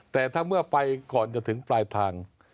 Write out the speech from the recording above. แต่ถ้าเมื่อไปก่อนจะถึงปลายทาง